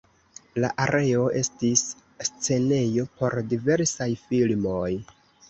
La areo estis scenejo por diversaj filmoj.